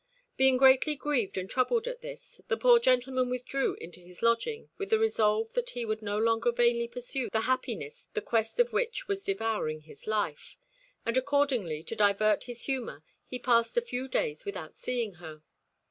Being greatly grieved and troubled at this, the poor gentleman withdrew into his lodging with the resolve that he would no longer vainly pursue the happiness the quest of which was devouring his life; and accordingly, to divert his humour, he passed a few days without seeing her.